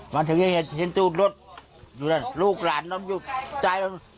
มันถึงเย็นชิ้นจูดรถลูกหลานต้องอยู่ใจมัน